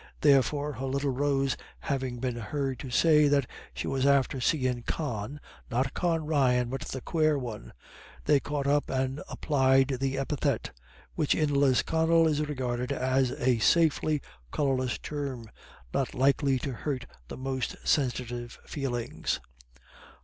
Therefore her little Rose having been heard to say that she was "after seein' Con, not Con Ryan, but the quare one," they caught up and applied the epithet, which in Lisconnel is regarded as a safely colourless term, not likely to hurt the most sensitive feelings.